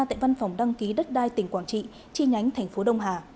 tại văn phòng đăng ký đất đai tỉnh quảng trị chi nhánh thành phố đông hà